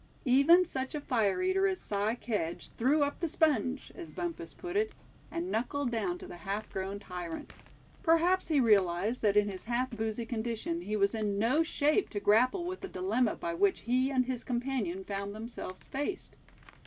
Even such a fire eater as Si Kedge "threw up the sponge," as Bumpus put it, and knuckled down to the half grown tyrant. Perhaps he realized that in his half boozy condition he was in no shape to grapple with the dilemma by which he and his companion found themselves faced.